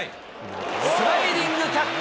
スライディングキャッチ。